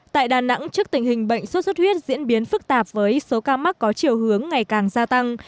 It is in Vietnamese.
tại đà nẵng trước tình hình bệnh sốt xuất huyết diễn biến phức tạp với số ca mắc có chiều hướng ngày càng gia tăng